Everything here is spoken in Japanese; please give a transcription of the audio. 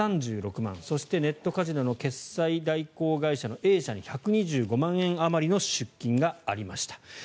そしてネットカジノの決済代行会社のＡ社に１２５万円あまりの出金がありました。